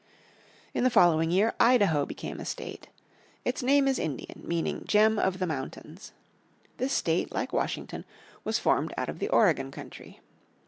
In the following year Idaho became a state. Its name is Indian, meaning "gem of the mountains." This state, like Washington, was formed out of the Oregon country.